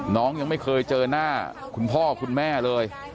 ยังไม่เคยเจอหน้าคุณพ่อคุณแม่เลย